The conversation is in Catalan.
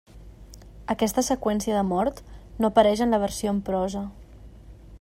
Aquesta seqüència de mort no apareix en la versió en prosa.